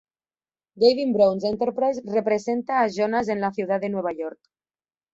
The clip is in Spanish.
Gavin Brown's enterprise representa a Jonas en la ciudad de Nueva York.